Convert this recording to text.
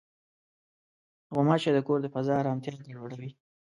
غوماشې د کور د فضا ارامتیا ګډوډوي.